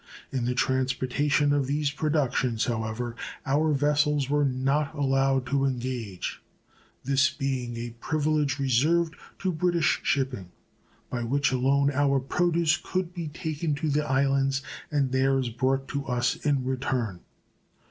In the transportation of these productions, however, our vessels were not allowed to engage, this being a privilege reserved to British shipping, by which alone our produce could be taken to the islands and theirs brought to us in return.